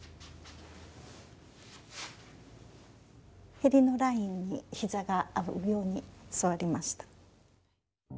縁のラインに膝が合うように座りました。